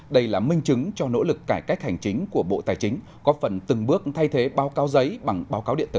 đây là minh chứng cho nỗ lực cải cách hành chính của bộ tài chính có phần từng bước thay thế báo cáo giấy bằng báo cáo điện tử